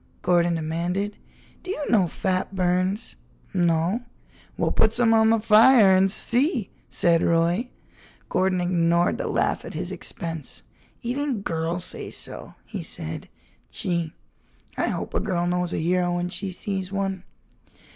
Gordon demanded. "Do you know Fat Burns?" "No." "Well, put some on the fire and see," said Roy. Gordon ignored the laugh at his expense. "Even girls say so," he said, "Gee, I hope a girl knows a hero when she sees one."